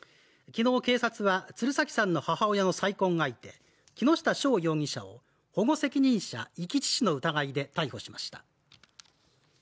昨日、警察は鶴崎さんの母親の再婚相手、木下匠容疑者を保護責任者遺棄致死の疑いで逮捕しました。